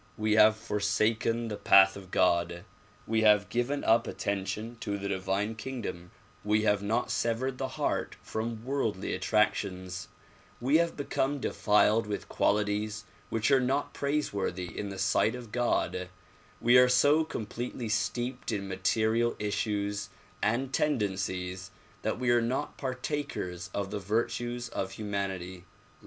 We have forsaken the path of God ; we have given up attention to the divine kingdom ; we have not severed the heart from worldly attractions; we have become defiled with qualities which are not praiseworthy in the sight of God; we are so completely steeped in material issues and tendencies that we are not partakers of the virtues of humanity.